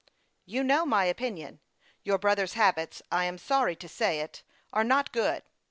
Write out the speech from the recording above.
" You know my opinion. Your brother's habits I am sorry to say it are not good.